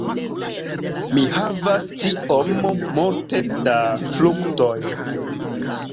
Mi havas tiom multe da fruktoj.